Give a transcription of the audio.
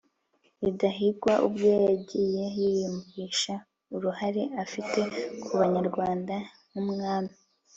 rudahigwa ubwe yagiye yiyumvisha uruhare afite ku banyarwanda nk'umwami